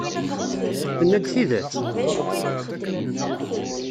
Tenna-d tidet?